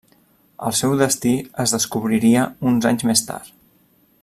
El seu destí es descobriria uns anys més tard.